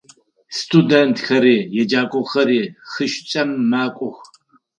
Студентхэри еджакӏохэри хы Шӏуцӏэм макӏох.